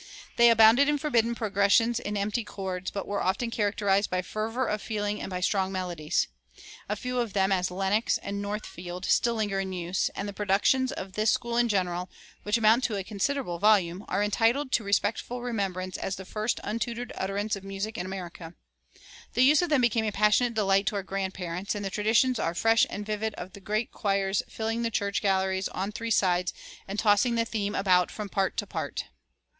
They abounded in forbidden progressions and empty chords, but were often characterized by fervor of feeling and by strong melodies. A few of them, as "Lenox" and "Northfield," still linger in use; and the productions of this school in general, which amount to a considerable volume, are entitled to respectful remembrance as the first untutored utterance of music in America. The use of them became a passionate delight to our grandparents; and the traditions are fresh and vivid of the great choirs filling the church galleries on three sides, and tossing the theme about from part to part.